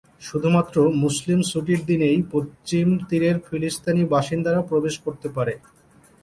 শুধুমাত্র মুসলিম ছুটির দিনেই পশ্চিম তীরের ফিলিস্তিনি বাসিন্দারা প্রবেশ করতে পারে।